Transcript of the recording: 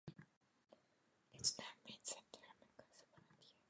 Its name means "the Timacus frontier".